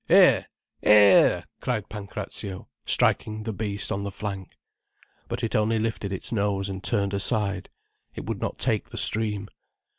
"Er! Err!" cried Pancrazio, striking the beast on the flank. But it only lifted its nose and turned aside. It would not take the stream.